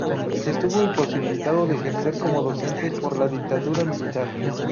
Estuvo imposibilitado de ejercer como docente por la dictadura militar.